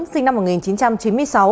sinh năm một nghìn chín trăm chín mươi sáu